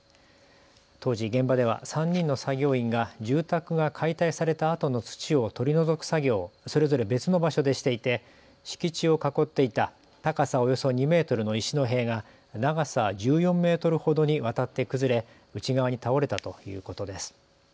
当時、現場では３人の作業員が住宅が解体されたあとの土を取り除く作業をそれぞれ別の場所でしていて、敷地を囲っていた高さおよそ２メートルの石の塀が長さ１４メートルほどにわたって崩れ内側に倒れたということです。